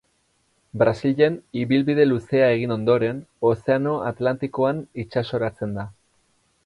Brasilen ibilbide luzea egin ondoren, Ozeano Atlantikoan itsasoratzen da.